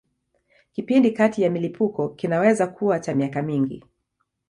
Kipindi kati ya milipuko kinaweza kuwa cha miaka mingi.